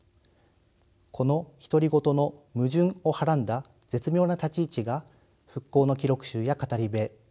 この独り言の矛盾をはらんだ絶妙な立ち位置が復興の記録集や語り部